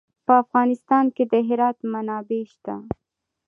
په افغانستان کې د هرات منابع شته.